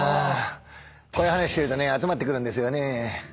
こういう話してるとね集まってくるんですよね。